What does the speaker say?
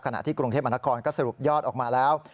ที่กรุงเทพมนครก็สรุปยอดออกมาแล้ว